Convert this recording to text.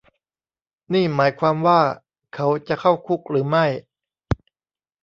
นี่หมายความว่าเขาจะเข้าคุกหรือไม่